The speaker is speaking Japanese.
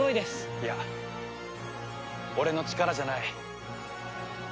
いや俺の力じゃない。